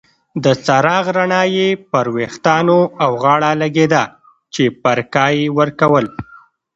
د څراغ رڼا یې پر ویښتانو او غاړه لګیده چې پرکا یې ورکول.